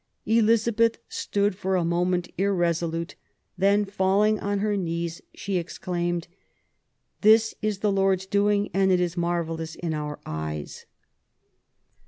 Elizabeth stood for a moment irresolute. Then falling on her knees, she exclaimed : This is the Lord's doing, and it is marvellous in our eyes